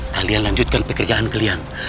kalian lanjutkan pekerjaan kalian